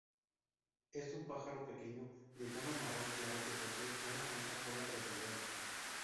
Es un pájaro pequeño de tono marrón claro que posee una ancha cola redondeada.